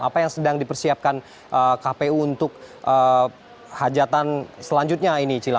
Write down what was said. apa yang sedang dipersiapkan kpu untuk hajatan selanjutnya ini cila